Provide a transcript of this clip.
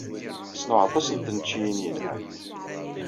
Ssneɣ aṭas n tneččiyin yelhan.